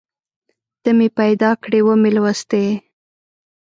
ته مې پیدا کړې ومې لوستې